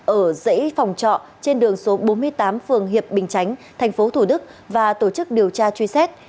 ở dãy phòng trọ trên đường số bốn mươi tám phường hiệp bình chánh tp thủ đức và tổ chức điều tra truy xét